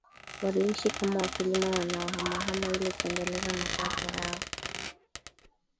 Waliishi kama wakulima wanaohamahama Ili kuendeleza matakwa yao